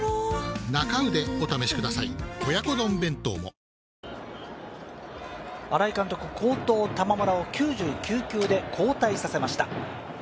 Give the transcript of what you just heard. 三井不動産新井監督、好投・玉村を９９球で交代させました。